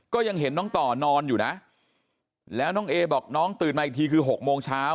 ก็ยังเห็นน้องต่อนอนอยู่นะแล้วน้องเอบอกน้องตื่นมาอีกทีคือ๖โมงเช้า